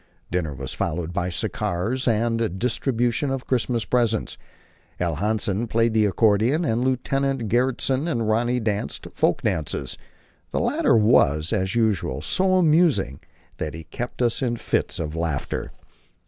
Dinner was followed by cigars and the distribution of Christmas presents. L. Hansen played the accordion, and Lieutenant Gjertsen and Rönne danced "folk dances"; the latter was, as usual, so amusing that he kept us in fits of laughter.